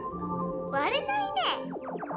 われないね。